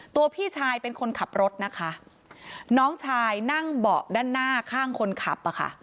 พี่ชายเป็นคนขับรถนะคะน้องชายนั่งเบาะด้านหน้าข้างคนขับอ่ะค่ะ